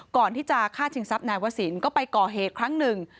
ก่อนที่จะฆ่าชิงทรัพย์นายวศิลป์ก็ไปก่อเหตุครั้งหนึ่ง